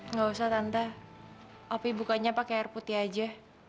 nggak usah tante api bukanya pakai air putih aja